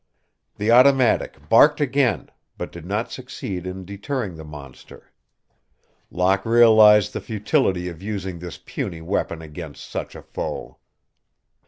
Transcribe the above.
The automatic barked again, but did not succeed in deterring the monster. Locke realized the futility of using this puny weapon against such a foe.